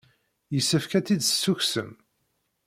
Yessefk ad tt-id-tessukksem.